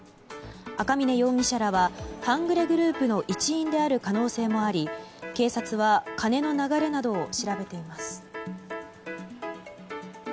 赤嶺容疑者らは半グレグループの一員である可能性もあり警察は金の流れなどを調べています。